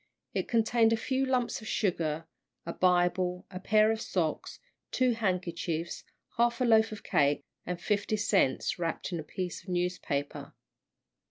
It contained a few lumps of sugar, a Bible, a pair of socks, two handkerchiefs, half a loaf of cake, and fifty cents wrapped in a piece of newspaper.